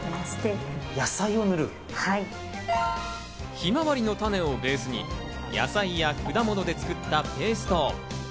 ひまわりの種をベースに野菜や果物で作ったペースト。